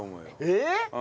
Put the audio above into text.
えっ！？